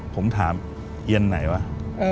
ผมถามเอียนไหนวะ